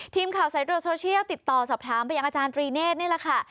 ทีมข่าวสายตรวจโซเชียลติดต่อสอบถามไปยังอาจารย์ตรีเนธนี่แหละค่ะ